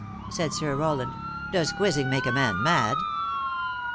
said Sir Rowland. "Does quizzing make a man mad